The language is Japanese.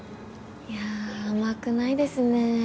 いや甘くないですね。